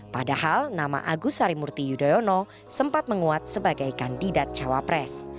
padahal nama agus sarimurti yudhoyono sempat menguat sebagai kandidat cawa pres